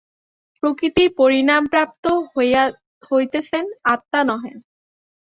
প্রকৃতিই পরিণামপ্রাপ্ত হইতেছেন, আত্মা নহেন।